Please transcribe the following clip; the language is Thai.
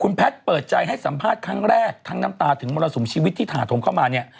แพทย์เปิดใจให้สัมภาษณ์ครั้งแรกทั้งน้ำตาถึงมรสุมชีวิตที่ถาถมเข้ามาเนี่ย